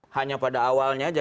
hanya pada awalnya